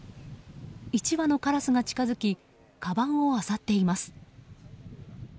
１羽のカラスが近づきかばんをあさっています。